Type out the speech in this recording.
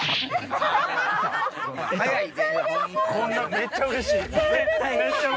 めっちゃうれしい？